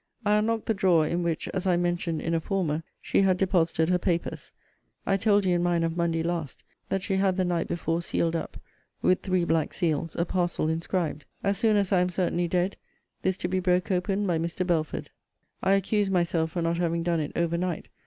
I unlocked the drawer, in which (as I mentioned in a former*) she had deposited her papers. I told you in mine of Monday last, that she had the night before sealed up, with three black seals, a parcel inscribed, As soon as I am certainly dead, this to be broke open by Mr. Belford. I accused myself for not having done it over night.